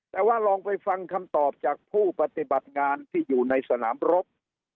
แต่ว่าลองไปฟังคำตอบจากผู้ปฏิบัติงานที่อยู่ในสนามรบ